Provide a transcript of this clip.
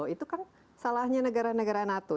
itu kan salahnya negara negara nato